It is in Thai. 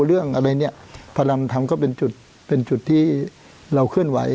เรื่องอะไรเนี่ยพระรำทำก็เป็นจุดเป็นจุดที่เราเคลื่อนไหว